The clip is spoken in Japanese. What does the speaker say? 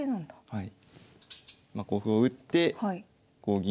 はい。